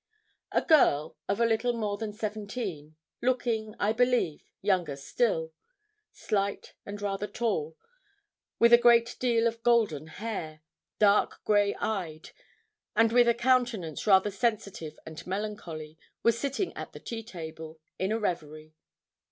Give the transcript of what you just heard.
A girl, of a little more than seventeen, looking, I believe, younger still; slight and rather tall, with a great deal of golden hair, dark grey eyed, and with a countenance rather sensitive and melancholy, was sitting at the tea table, in a reverie.